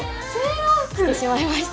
着てしまいました。